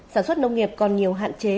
sản xuất nông nghiệp còn nhiều hạn chế